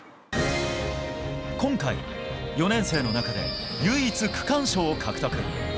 今回、４年生の中で唯一、区間賞を獲得。